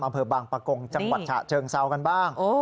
อำเภอบางปะกงจังหวัดฉะเชิงเซากันบ้าง